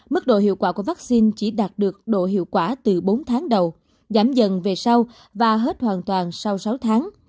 mức độ hiệu quả của vaccine chỉ đạt được độ hiệu quả từ bốn tháng đầu giảm dần về sau và hết hoàn toàn sau sáu tháng